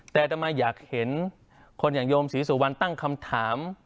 แต่อัตมาอยากเห็นคนอย่างโยมศรีสุวรรณตั้งคำถาม